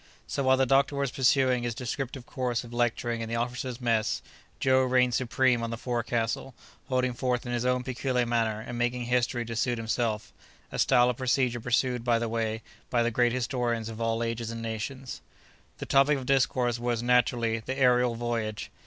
So, while the doctor was pursuing his descriptive course of lecturing in the officers' mess, Joe reigned supreme on the forecastle, holding forth in his own peculiar manner, and making history to suit himself—a style of procedure pursued, by the way, by the greatest historians of all ages and nations. The topic of discourse was, naturally, the aërial voyage.